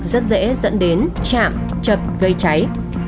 rất dễ dẫn đến chạm chập gây cháy